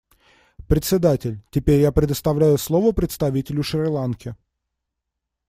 Председатель: Теперь я предоставляю слово представителю Шри-Ланки.